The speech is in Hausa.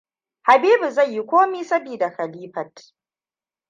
Habibua zai yi komai sabida Khalifat.